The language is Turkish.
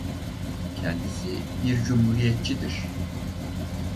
Kendisi bir Cumhuriyetçidir.